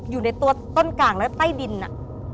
อยู่ในตัวต้นกลางแล้วใต้ดินอะ